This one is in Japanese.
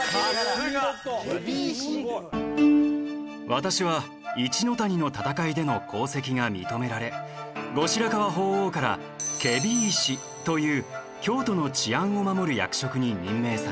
私は一ノ谷の戦いでの功績が認められ後白河法皇から検非違使という京都の治安を守る役職に任命された。